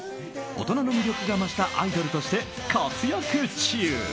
大人の魅力が増したアイドルとして活躍中。